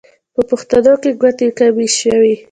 په پښتنو کې ګوتې کمې شوې.